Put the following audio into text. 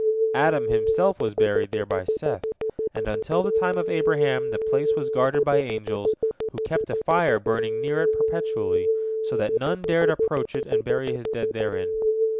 Adam himself was buried there by Seth, and until the time of Abraham the place was guarded by angels, who kept a fire burning near it perpetually, so that none dared approach it and bury his dead therein.